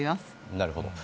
なるほど。